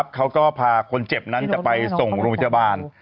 เขาก็พาคนเจ็บนั้นจะไปส่งโรงพยาบาล